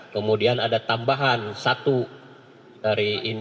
kemudian ada tambahan satu dari ini